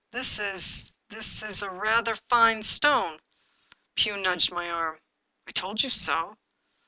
" This is — ^this is rather a fine stone." Pugh nudged my arm. " I told you so."